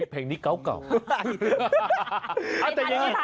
เพลงนี้เก่า